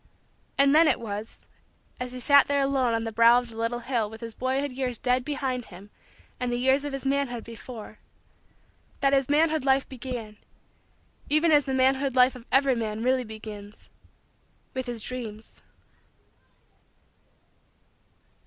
And then it was as he sat there alone on the brow of the little hill with his boyhood years dead behind him and the years of his manhood before that his manhood life began, even as the manhood life of every man really begins, with his Dreams.